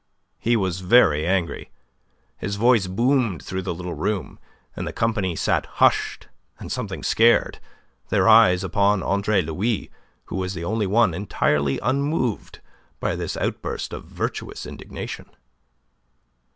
He was very angry. His voice boomed through the little room, and the company sat hushed and something scared, their eyes upon Andre Louis, who was the only one entirely unmoved by this outburst of virtuous indignation.